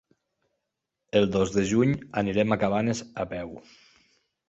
El dos de juny anirem a Cabanes a peu.